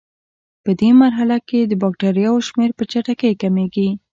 پدې مرحله کې د بکټریاوو شمېر په چټکۍ کمیږي.